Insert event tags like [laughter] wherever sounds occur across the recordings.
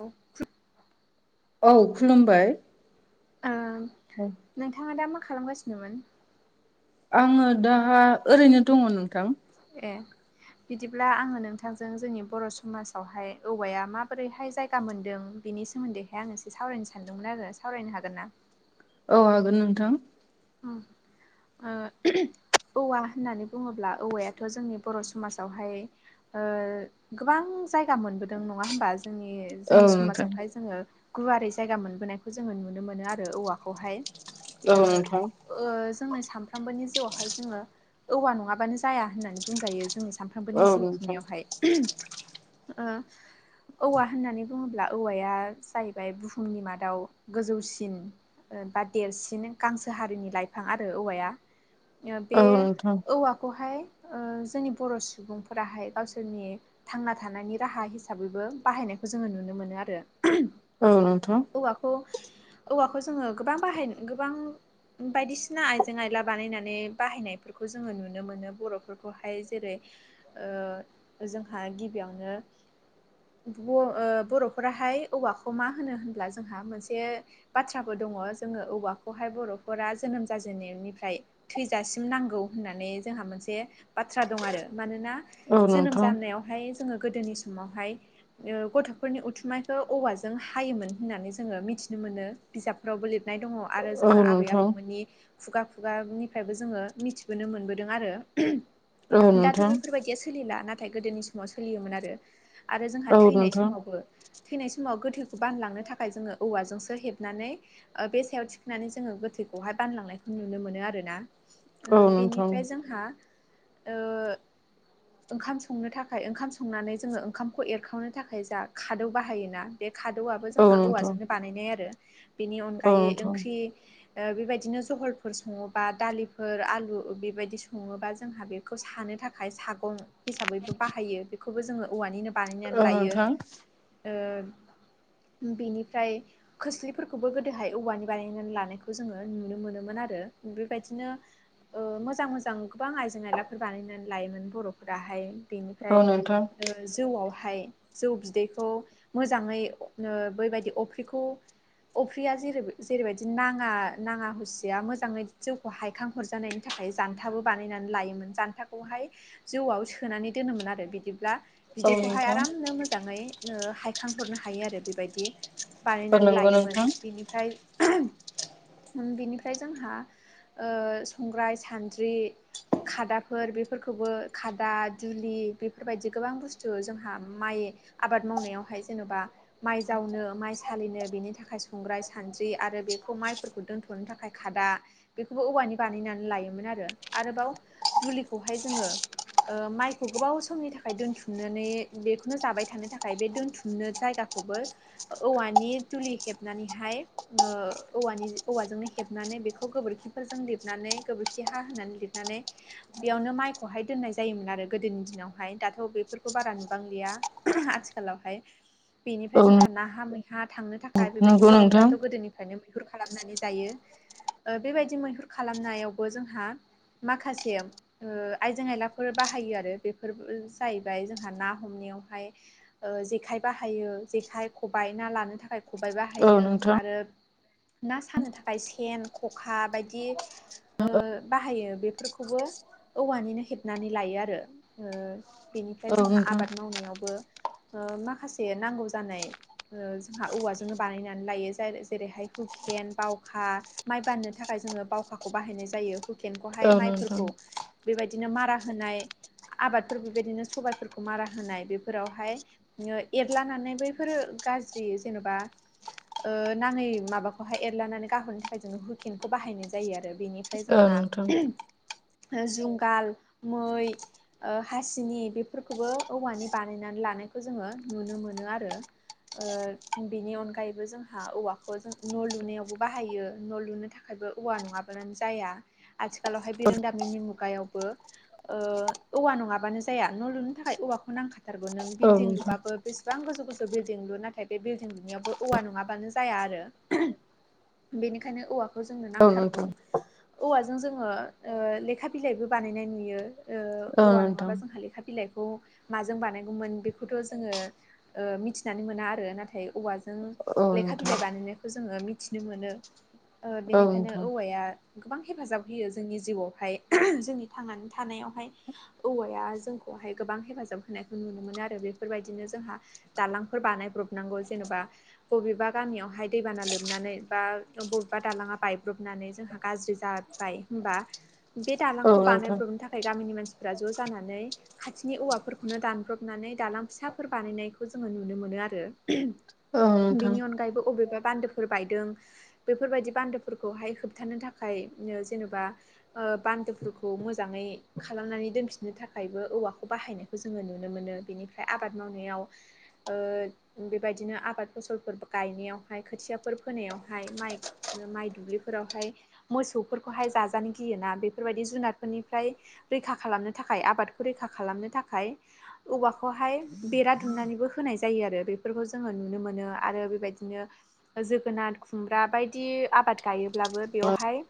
औ [inaudible] औ खुलुमबाय। आं [inaudible] नोंथाङा दा मा खालामगासिनोमोन? आङो दा ओरैनो दङ नोंथां। ए बिदिब्ला आङो नोंथांजों जोंनि बर' समाजावहाय औवाया माबोरैहाय जायगा मोनदों बेनि सोमोन्दैहाय आं एसे सावरायनो सानदोंमोन आरो सावरायनो हागोन ना? औ हागोन नोंथां। उम ओ औवा होननानै बुङोब्ला औवायाथ' जोंनि बर' समाजावहाय ओ गोबां जायगा मोनबोदों नङा होमबा। जोंनि औ जोंनि नोंथां समाजावहाय जोङो गुवारै जायगा मोनबोनायखौ जोङो नुनो मोनो आरो औवाखौहाय। औ नोंथां ओ जोंनि सानफ्रामबोनि जिउआवहाय जोङो औवा नङाबानो जाया होननानै बुंजायो। जोंनि औ सानफ्रामबोनि जिउ नोंथां खुंनायावहाय ओ औवा होननानै बुङोब्ला औवाया जाहैबाय बुहुमनि मादाव गोजौसिन बा देरसिननो गांसो। हारिनि लाइफां आरो औवाया बे औ नोंथां औवा खौहाय ओ जोंनि बर' सुबुंफोराहाय गावसोरनि थांना थानायनि राहा हिसाबैबो बाहायनायखौ जोङो नुनो मोनो आरो। औ नोंथां औवाखौ औवाखौ जोङो गोबां बाहायनो गोबां बायदिसिना आइजें आयला बानायनानै बाहायनायफोरखौ जोङो नुनो मोनो बर'फोरखौहाय जेरै ओ जोंहा गिबियावनो ओ बर'फोराहाय औवाखौ मा होनो होनब्ला जोंहा मोनसे बाथ्राबो दङ जोङो औवाखौहाय बर'फोरा जोनोम जाजेन नायनिफ्राय थैजासिम नांगौ होननानै जोंहा मोनसे बाथ्रा दङो आरो मानोना औ जोनोम नोंथां जानायावहाय जोङो गोदोनि समावहाय ओ गथ'फोरनि उथुमायखौ औवाजों हायोमोन होननानै जोङो मिथिनो मोनो बिजाब फोरावबो लिरनाय दङ आरो औ जोङो आबै आबौ नोंथां नि खुगा खुगानिफ्रायबो जोङो मिथिबोनो मोनबोदों आरो उम औ दाथ' नोंथां बेफोरबायदिया सोलिला नाथाय गोदोनि समाव सोलियोमोन आरो। आरो जोंहा औ थैनाय नोंथां समावबो थैनाय समाव गोथैखौ बानलांनो थाखाय जोङो औवाजोंसो हेबनानै बे सायाव थिखांनानै जोङो गोथै खौहाय बानलांनायखौ नुनो मोनो आरोना ओ औ नोंथां बेनिफ्राय जोंहा ओ ओंखाम संनो थाखाय ओंखाम संनानै जोङो ओंखामखौ एरखावनो थाखाय जा खादौ बाहायोना। बे खादौआबो औ नोंथां औ नोंथां औ जोंहा नोंथां औवाजोंनो बानायनाय आरो बेनि औ अनगायै ओंख्रि ओ बेबायदिनो जहलफोर सङोबा दालिफोर आलु बेबायदि सङोबा जोंहा बे बेखौ सानो थाखाय सागं हिसाबैबो बाहायो बेखौबो जोङो औवानिनो बानायनानै लायो ओ‌ बेनिफाय खोलसिफोरखौबो गोदोहाय औवानि बानायना लानायखौ खौ जोङो नुनो मोनोमोन आरो बेबादिनो ओ मोजां मोजां गोबां आइजें आइलाफोर बानायनानै लायोमोन बर'फोराहाय बेनिफ्राय नोंथां ओ जौआवहाय जौ बिदैखौ मोजाङै ओ बैबादि अफ्रिखौ अफ्रिया जेरै जेरैबादि ना आ नाङा हुसिया मोजाङै जौखौ हायखां हरजानायनि थाखाय जान्थाबो बानायनानै लायोमोन जानथाखौ खौहाय जौआव सोनानै दोनोमोन आरो बिदिब्ला औ नोंथां [inaudible] औ बानायनानै नंगौ लायोमोन नोंथां बेनिफ्राय ओम ओ बेनिफ्राय जोंहा संग्राय सानद्रि खादाफोर बेफोरखौबो खादा दुलि बेफोरबादि गोबां बुस्थु जोंहा माइ आबाद मावनायावहाय जेनोबा माइ जावनो माइ सालिनो बेनि थाखाय संग्राय सानद्रि आरो बेखौ माइ फोरखौ दोन्थ'नो थाखाय खादा बेखौबो औवानि बानायनानै लायोमोन आरो आरोबाव दुलिखौहाय जोङो ओ माइखौ गोबाव समनि थाखाय दोन्थुमनानै बेखौनो जाबाय थानो थाखाय बे दोन्थुमनो जायगा खौबो औवानि दुलि हेबनानैहाय ओ‌ औवानि औवाजोंनो हेबनानै बेखौ गोबोरखिफोरजों लिरनानै गोबोरखि हा होनानै लिरनानै बेआवनो माइखौहाय दोननाय जायोमोन आरो गोदोनि दिनावहाय दाथ' बेफोरखौ बारा नुबांलिआ उम आथिखालावहाय बेनिफ्राय औ जोंहा नाहा मैहा थांनो थाखाय बेबादि नंगौ नोंथां बर'फोराथ' गोदोनिफ्रायनो मैहुर खालामनानै जायो जायो बेबायदि मैहुर खालामनायावबो जोंहा माखासे आइजें आयलाफोर बाहायो आरो बेफोर जाहैबाय जोंहा ना हमनायावहाय ओ जेखाइ बाहायो जेखाइ खबाइ ना लानो थाखाय खबाइ औ बाहायो नोंथां आरो ना सानो थाखाय सेन खखा बायदि ओ बाहायो बेफोरखौबो औवानिनो हेबनानै लायो ओ बेनिफ्राय औ जोंहा नोंथां आबाद मावनायावबो ओ माखासे नांगौ जानाय ओ जोंहा औवाजोंनो बानायनानै लायो जे जेरैहाय हुखि हुखेन बावखा माइ बान्नो थाखाय जोङो बावखाखौ बाहायनाय जायो हुखेनखौहाय औ नोंथां माइफोरखौ बेबादिनो मारा होनाय आबादफोर बिबायदिनो सबायाइफोरखौ मारा होनाय बेफोरावहाय ओ एरलानानै बैफोर गाज्रि जेन'बा ओ नाङै माबाखौ खौहाय एरलानानै गाहरनो थाखाय जोङो हुखेनखौ बाहायनाय जायो आरो बेनिफ्राय औ जोंहा नोंथां उम जुंगाल मै हासिनि बेफोरखौबो औवानि बानायनानै लानायखौ जोङो नुनो मोनो आरो बिनि अनगायैबो जोंहा औवाखौ जों न' लुनायावबो बाहायो न' लुनो थाखायबो औवा नङाब्लानो जाया आथिखालावहाय बिरोंदामिननि मुगायावबो औवा नङाबानो जाया न' लुनो थाखाय औवाखौ नांखाथारगौ नों औ बिल्डिं नोंथां लुबाबो बेसेबां गोजौ गोजौ बिल्डिं लुयो नाथाय बे बिल्डिं लुनायावबो औवा नङाबानो जाया आरो बेनिखायनो औवाखौ जोंनो औ नांथारगौ नोंथां औवाजों जोङो ओ लेखा बिलाइबो बानायनाय नुयो औ ओ‌ औवा नोंथां नङाबा जोंहा लेखा बिलाइखौ माजों बानायगौमोन बेखौथ' जोङो ओ मिथिनानै मोना आरो नाथाय औवाजों औ लेखा नोंथां बिलाइ बानायनायखौ जोङो मिथिनो मोनो ओ औ बेनिखायनो नोंथां औवाया गोबां हेफाजाब होयो जोंनि जिउआवहाय जोंनि थांनानै थानायावहाय औवाया जोंखौहाय गोबां हेफाजाब होनायखौ नुनो मोनो आरो बेफोरबायदिनो जोंहा दालांफोर बानायब्रबनांगौ जेनेबा बबेबा गामियावहाय दैबाना लोबनानै बा बबेबा दालाङा बायब्रबनानै जोंहा गाज्रि जाबाय होनोमबा बे औ दालांखौ नोंथां बानोब्रबनो थाखाय गामिनि मानसिफ्रा ज' जानानै खाथिनि औवाफोरखौनो दानब्रबनानै दालां फिसाफोर बानायनायखौ जोङो नुनो मोनो आरो औ नोंथां बिनि अनगायैबो बबेबा बान्दोफोर बायदों बेफोरबायदि बान्दोफोरखौहाय होबथानो थाखाय जेनेबा बान्दोफोरखौ मोजाङै खालामनानै दोनफिननो थाखायबो औवाखौ बाहायनायखौ जोङो नुनो मोनो बेनिफ्राय आबाद मावनायाव बेबायदिनो आबाद फसलफोर गायनायावहाय खोथियाफोर फोनायावहाय माइ माइ दुब्लिफोरावहाय मोसौफोरखौहाय जाजानो गियोना बेफोरबायदि जुनादफोरनिफ्राय रैखा खालामनो थाखाय आबादखौ रैखा खालामनो थाखाय औवाखौहाय बेरा दुमनानैबो होनाय जायो आरो बेफोरखौ जोङो नुनो मोनो आरो बेबायदिनो जोगोनार खुमब्रा बायदि आबाद गायोब्लाबो बेवहाय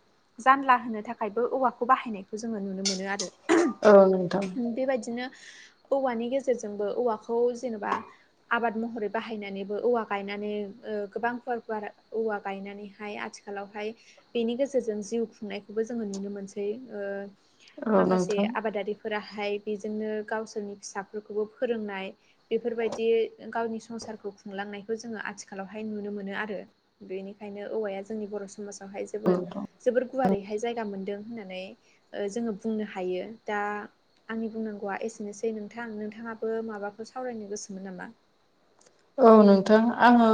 जानला होनो थाखाय थाखायबो औवाखौ बाहायनायखौ जोङो नुनो मोनो आरो औन दां बेबायदिनो औवानि गेजेरजोंबो औवाखौ जेनेबा आबाद महरै बाहायनानैबो औवा गायनानै गोबां फुवार फुवार औवा गायनानैहाय आथिखालावहाय बेनि गेजेरजों जिउ खुंनायखौबो जोङो नुनो मोनसै औ माखासे नोंथां आबादारिफोर फोराहाय बेजोंनो गावसोरनि फिसाफोरखौबो फोरोंनाय बेफोरबायदि गावनि संसारखौ खुंलांनायखौ जोङो आथिखालाव बेहाय नुनो मोनो आरो बेनिखायनो औवाया जोंनि बर' समाजावहाय जोबोद जोबोर गुवारैहाय जायगा मोनदों होननानै जोङो बुंनो हायो दा आंनि बुंनांगौआ एसेनोसै नोंथां नोंथाङाबो माबाफोर सावरायनो गोसोमोन नामा औ नोंथां आङो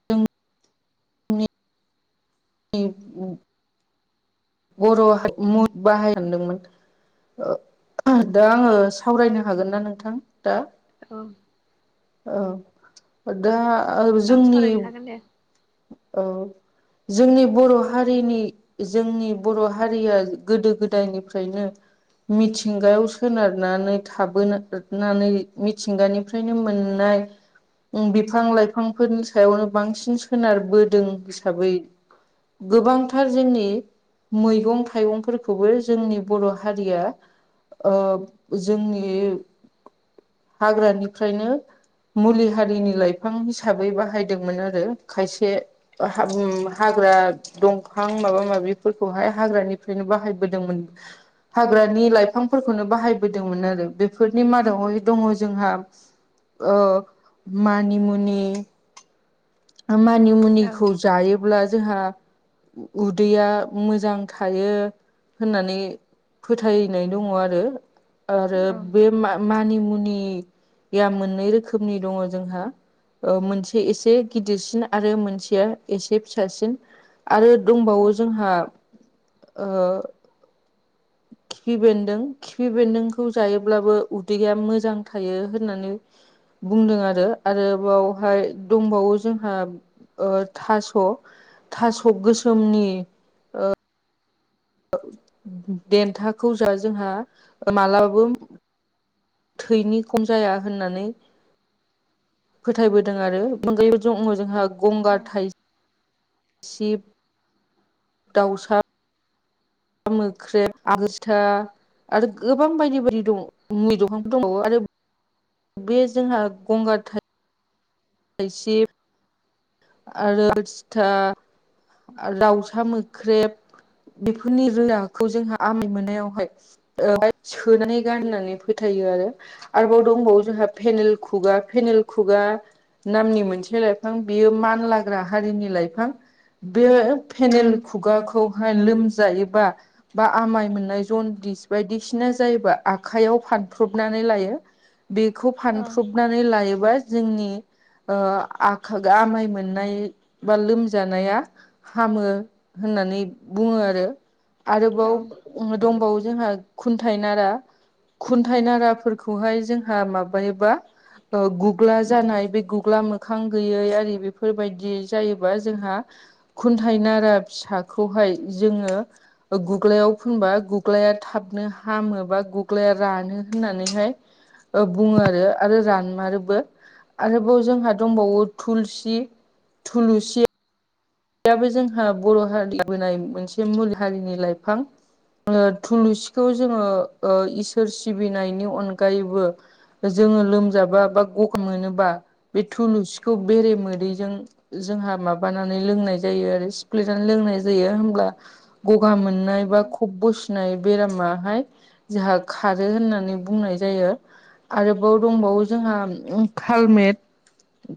जोंनि बर' म बाहायांदोंमोन दा आङो सावरायनो हागोन ना नोंथां दा औ औ दा औ जोंनि सावरायनो हागोन दे औ जोंनि बर' हारिनि जोंनि बर' हारिया गोदो गोदायनिफ्रायनो मिथिंगायाव सोनारनानै थाबोनानै मिथिंगानि ओमफ्रायनो मोननाय बिफां लाइफांफोरनि सायावनो बांसिन सोनारबोदों हिसाबै गोबांथार जोंनि मैगं थाइगंफोरखौबो जोंनि बर' हारिया ओ जोंनि हाग्रानिफ्रायनो मुलि हारिनि लाइफां हिसाबै बाहायदोंमोन आरो खायसे हाबुम हाग्रा दंफां माबा माबि फोर खौहाय हाग्रानिफ्रायनो बाहायबोदोंमोन हाग्रानि लाइफांफोरखौनो बाहायबोदोंमोन आरो बेफोरनि मादावहाय दङ जोंहा ओ मानिमुनि मानि औ मुनिखौ जायोब्ला जोंहा उदैया मोजां थायो होननानै फोथायनाय दङ आरो आरो औ बे मा मानि मुनिया मोननै रोखोमनि दङ जोंहा मोनसे एसे गिदिरसिन आरो मोनसेया एसे फिसासिन आरो औ दंबावो जोंहा आ खिफि बेन्दों खिफि बेन्दोंखौ जायोब्लाबो उदैया मोजां थायो होननानै बुंदों आरो आरो बावहाय दंबावो जोंहा ओ थास' थास' गोसोमनि देन्थाखौ जा जोंहा मालाबाबो थैनि खम जाया होननानै फोथायबोदों आरो अनगायैबो दङ जोंहा गंगार थाइ सिब दाउसा मोख्रेब [unintelligible] आरो गोबां बायदि बायदि दङ [unintelligible] दंबावो आरो बे जोंहा गंगार थाइ थाइसिब आरो सिथा दाउसा मोख्रेब बेफोरनि रोदाखौ जोंहा आमाइ मोननायावहाय [unintelligible] सोनानै गाननानै फोथायो आरो आरोबाव दंबावो जोंहा पेनेल खुगा पेनेल खुगा नामनि मोनसे लाइफां बियो मानलाग्रा हारिनि लाइफां बे फेनेल खुगाखौहाय लोमजायोबा बा आमाय मोननाय जनडिस बायदिसिना जायोबा आखाइयाव फानफ्रबनानै लायो [inaudible] बेखौ औ फानफ्रबनानै लायोबा जोंनि ओ आ [unintelligible] आमाइ मोननाय बा लोमजानाया हामो होननानै बुङो आरो आरोबाव दंबावो जोंहा खुन्थाइ नारा खुन्थाइ नाराफोरखौहाय जोंहा माबायोबा गुग्ला जानाय बे गुग्ला मोखां गैयै आरि बेफोरबायदि जायोबा जोंहा खुन्थाइ नारा फिसाखौहाय जोङो गुग्लायाव फुनबा गुग्लाया थाबनो हामो बा गुग्लाया रानो होननानैहाय बुङो आरो आरो रानमारोबो आरोबाव जोंहा दंबावो थुलसि थुलुसि याबो जोंहा बर' हारि लाबोनाय मोनसे मुल हारिनि लाइफां ङो थुलुसिखौ जोङो ओ इसोर सिबिनायनि अनगायैबो जोङो लोमजाबा बा ग'गा मोनोबा बे थुलुसिखौ बेरे मोदैजों जोंहा माबानानै लोंनाइ जायो आरो सिफ्लेनानै लोंनाय जायो होमब्ला ग'गा मोननाय बा खब बो नै बेरामाहाय जोंहा खारो होननानै बुंनाय जायो आरोबाव दंबावो जोंहा उ खालमेट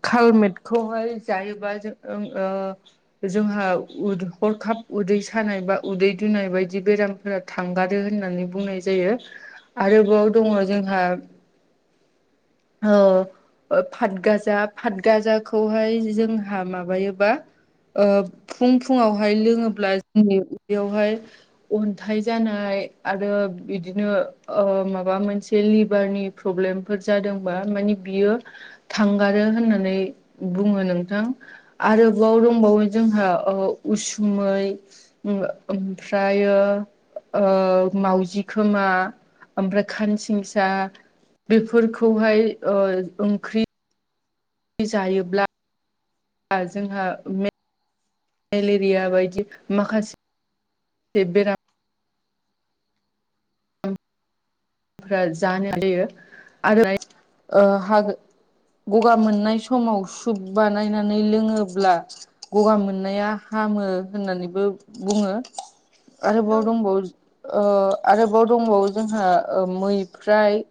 कालमेटखौहाय जायोबा जों ओ जोंहा हरखाब उदै सानाय बा उदै दुनाय बायदि बेरामफोरा थांगारो होननानै बुंनाय जायो। [inaudible] आरोबाव दङ जोंहा [inaudible] ओ पातगाजा पतगाजाखौहाय जोंहा माबायोबा ओ फुं फुुंआवहाय लोङोब्ला जोंनि उदैयावहाय अन्थाइ जानाय आरो बिदिनो ओ माबा मोनसे लिभारनि प्रब्लेमफोर जादोंबा माने बियो थांगारो होननानै बुङो नोंथां आरोबाव औ रं बो जोंहा ओ उसुमै ओम ओमफ्रायो ओ माउजि खोमा ओमफ्राय खानसिंसा बेफोरखौहाय ओ ओंख्रि जायोब्ला आरो जोंहा मे लेरिया बायदि माखासे बेराम [inaudible] फ्रा जानो हायो आरो ओ हा गगा मोननाय समाव सुप बानायनानै लोङोब्ला गगा मोननाया हामो होननानैबो बुङो। औ आरोबाव औ दंबावो ओ आरोबाव दंबावो जोंहा मैफ्राय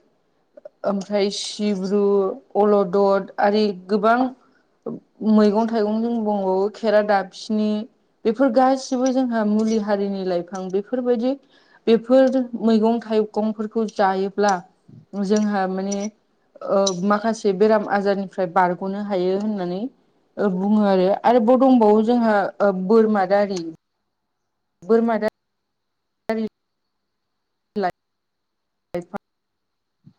ओमफ्राय सिब्रु अलदद आरि गोबां मैगं थाइगं जों दंबावो खेरा दाफिनि बेफोर गासिबो जोंहा मुलि हारिनि लाइफां बेफोरबायदि बेफोर मैगं थाइगंफोरखौ जायोब्ला जोंहा माने ओ माखासे बेराम आजारनिफ्राय बारग'नो हायो होननानै बुङो आरो आरोबाव दंबावो जोंहा बोरमा दारि बोरमा दा रि लाय लायफां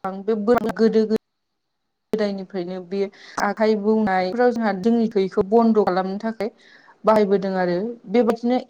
आं बे बो गोदो गो गोदायनिफ्रायनो बे आखाइ बौनायफ्राव जोंहा जोंनि थैखौ बन्द' खालामनो थाखाय बाहायबोदों आरो बेबादिनो